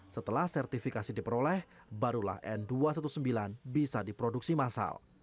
setelah sertifikasi diperoleh barulah n dua ratus sembilan belas bisa diproduksi masal